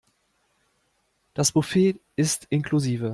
Das Buffet ist inklusive.